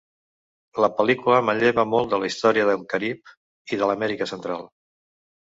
La pel·lícula manlleva molt de la història del Carib i de l'Amèrica Central.